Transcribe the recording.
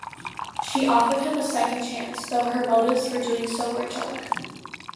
She offered him a second chance, though her motives for doing so were dark.